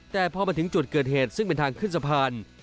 แต่พอมาถึงจุดเกิดเหตุซึ่งเป็นทางขึ้นสะพาน